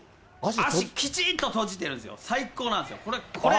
足きちんと閉じてるんですよ、最高なんですよ、これ。